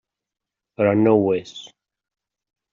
Però no ho és.